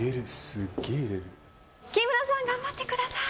木村さん頑張ってください。